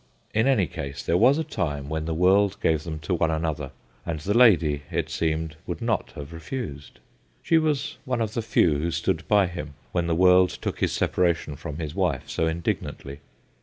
In any case, there was a tim e when the world gave them to one another, and the lady, it seems, would not have refused. She was one of the few who stood by him when the world took his separation from his wife so indignantly.